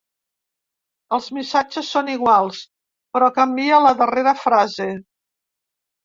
Els missatges són iguals, però canvia la darrera frase.